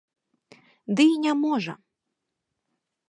Ды і не можа.